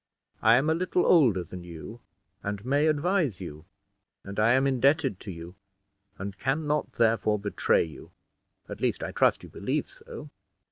I am a little older than you, and may advise you; and I am indebted to you, and can not therefore betray you at least I trust you believe so."